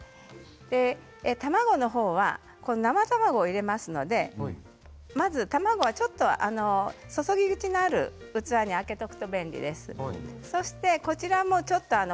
卵の方は生卵を入れますのでまず卵は注ぎ口があるような器に開けておくと便利です。